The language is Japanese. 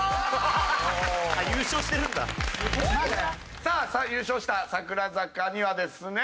さあ優勝した櫻坂にはですね。